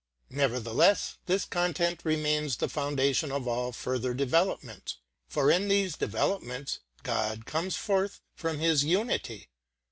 Nevertheless, this content remains the foundation of all further developments, for in these developments God comes not forth from His unity.